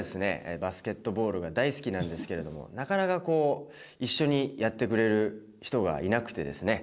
バスケットボールが大好きなんですけれどもなかなかこう一緒にやってくれる人がいなくてですね